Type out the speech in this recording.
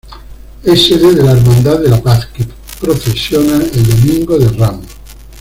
Es sede de la Hermandad de la Paz, que procesiona el Domingo de Ramos.